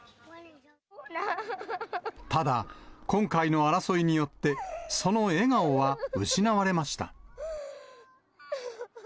ただ、今回の争いによって、その笑顔は失われました。